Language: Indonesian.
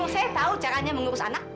saya tahu caranya mengurus anak